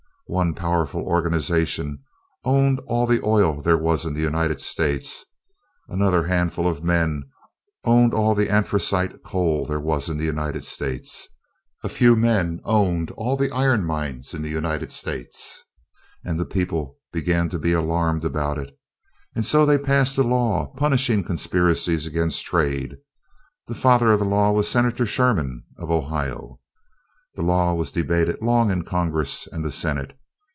One powerful organization owned all the oil there was in the United States; another handful of men owned all the anthracite coal there was in the United States; a few men owned all the iron mines in the United States; and the people began to be alarmed about it. And so they passed a law punishing conspiracies against trade. The father of the law was Senator Sherman of Ohio. The law was debated long in Congress and the Senate.